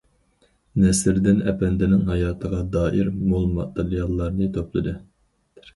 نەسىردىن ئەپەندىنىڭ ھاياتىغا دائىر مول ماتېرىياللارنى توپلىدى.